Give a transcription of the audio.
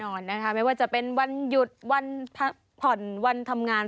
นอนนะคะไม่ว่าจะเป็นวันหยุดวันพักผ่อนวันทำงาน